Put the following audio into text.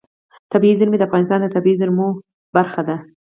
طبیعي زیرمې د افغانستان د طبیعي زیرمو برخه ده.